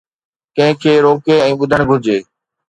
ڪنهن کي روڪي ۽ ٻڌائڻ گهرجي.